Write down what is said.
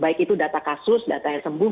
baik itu data kasus data yang sembuh